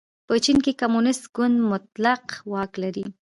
په چین کې کمونېست ګوند مطلق واک لري.